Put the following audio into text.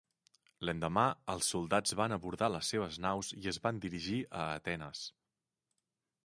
L'endemà, els soldats van abordar les seves naus i es van dirigir a Atenes.